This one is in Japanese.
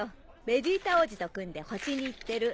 ベジータ王子と組んで星に行ってる。